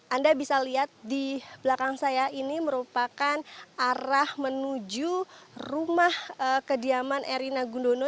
anda bisa lihat di belakang saya ini merupakan arah menuju rumah kediaman erina gunduno